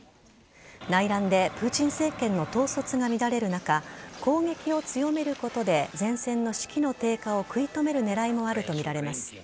内乱でプーチン政権の統率が乱れる中攻撃を強めることで前線の士気の低下を食い止める狙いもあるとみられます。